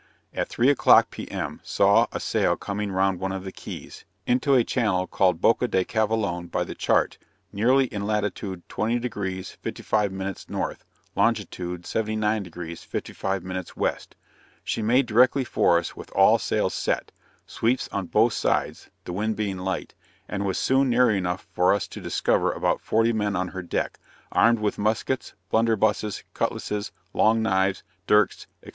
At 3 o'clock, P.M., saw a sail coming round one of the Keys, into a channel called Boca de Cavolone by the chart, nearly in latitude 20° 55' north, longitude 79° 55' west, she made directly for us with all sails set, sweeps on both sides (the wind being light) and was soon near enough for us to discover about forty men on her deck, armed with muskets, blunderbusses, cutlasses, long knives, dirks, &c.